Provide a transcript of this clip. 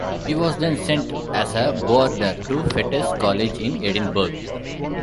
He was then sent as a boarder to Fettes College in Edinburgh.